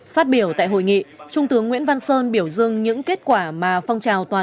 phát biểu tại hội nghị trung tướng nguyễn văn sơn biểu dưng những kết quả